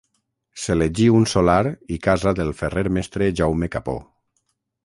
S'elegí un solar i casa del ferrer mestre Jaume Capó.